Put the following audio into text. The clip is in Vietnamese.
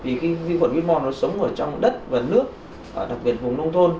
vì vi khuẩn whitmore nó sống ở trong đất và nước đặc biệt vùng nông thôn